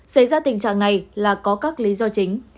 xảy ra tình trạng này là có các lý do chính